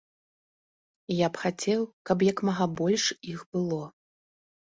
Я б хацеў, каб як мага больш іх было.